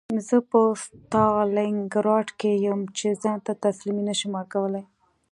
زه په ستالینګراډ کې یم چې ځان ته تسلي نشم ورکولی